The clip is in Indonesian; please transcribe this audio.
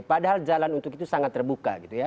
padahal jalan untuk itu sangat terbuka gitu ya